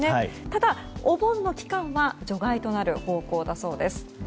ただ、お盆の期間は除外となる方向だそうです。